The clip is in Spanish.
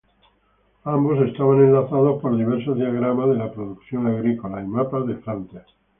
Ambos estaban enlazados por diversos diagramas de la producción agrícola y mapas de Francia.